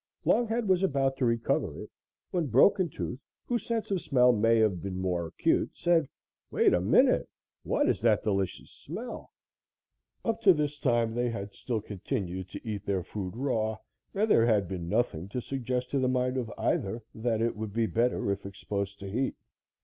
Longhead was about to recover it when Broken Tooth, whose sense of smell may have been more acute, said: "Wait a minute; what is that delicious smell?" Up to this time they had still continued to eat their food raw, and there had been nothing to suggest to the mind of either that it would be better if exposed to heat.